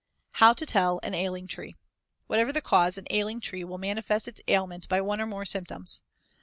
How to tell an ailing tree: Whatever the cause, an ailing tree will manifest its ailment by one or more symptoms.